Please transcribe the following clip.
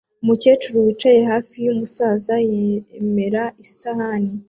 Umukecuru wicaye hafi yumusaza yemera isahani